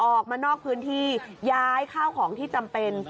ออกมานอกพื้นที่ย้ายข้าวของที่จำเป็น